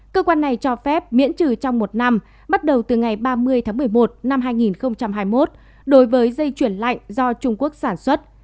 cơ quan này cho phép miễn trừ trong một năm bắt đầu từ ngày ba mươi tháng một mươi một năm hai nghìn hai mươi một đối với dây chuyển lạnh do trung quốc sản xuất